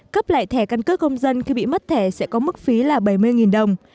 cấp lại thẻ căn cước công dân khi bị mất thẻ sẽ có mức phí là bảy mươi đồng